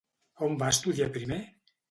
On va estudiar primer?